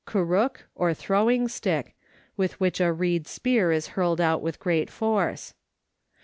Kurruk or throwing stick, with which a reed spear is hurled out with great force.